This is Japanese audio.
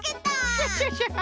クシャシャシャ！